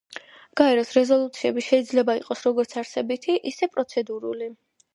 გაეროს რეზოლუციები შეიძლება იყოს, როგორც არსებითი, ისე პროცედურული.